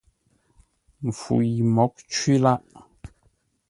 Mpfu yi mǒghʼ cwí lâʼ.